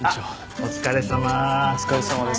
お疲れさまです。